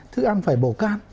thức ăn phải bổ can